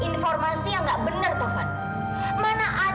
informasi yang gak benar taufan